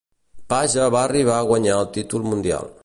Page va arribar a guanyar el títol mundial.